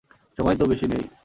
সময় তো বেশি নেই।